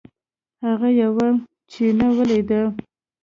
هغه یوه چینه ولیده.